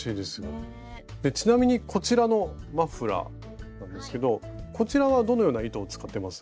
ちなみにこちらのマフラーなんですけどこちらはどのような糸を使ってます？